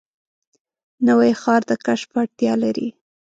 نوی ښار د کشف وړتیا لري